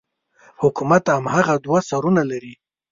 حکومت هماغه دوه سرونه لري.